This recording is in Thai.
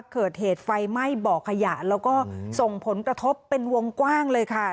เกิดเหตุไฟไหม้บ่อขยะแล้วก็ส่งผลกระทบเป็นวงกว้างเลยค่ะ